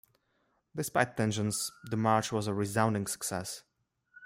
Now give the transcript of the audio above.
Despite tensions, the march was a resounding success.